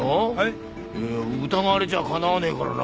疑われちゃかなわねえからな。